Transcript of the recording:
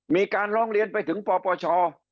มีการร้องเรียนไปถึงปปช